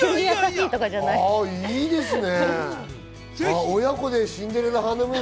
いいですね。